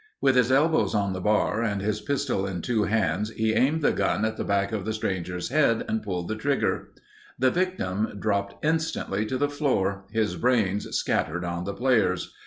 With his elbows on the bar and his pistol in two hands, he aimed the gun at the back of the stranger's head and pulled the trigger. The victim dropped instantly to the floor, his brains scattered on the players.